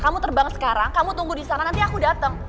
kamu terbang sekarang kamu tunggu di sana nanti aku datang